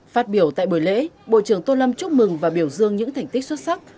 phát biểu tại buổi lễ bộ trưởng tô lâm chúc mừng và biểu dương những thành tích xuất sắc